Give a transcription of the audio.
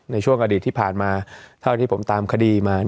ในช่วงอดีตที่ผ่านมาเท่าที่ผมตามคดีมา